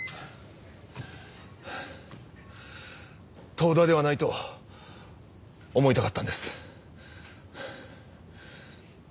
遠田ではないと思いたかったんです。